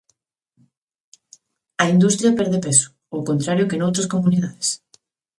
A industria perde peso, ao contrario que noutras comunidades.